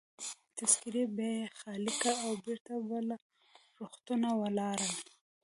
تذکیرې به يې خالي کړې او بیرته به له روغتونه ولاړل.